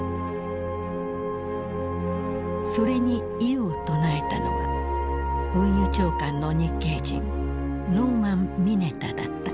それに異を唱えたのは運輸長官の日系人ノーマン・ミネタだった。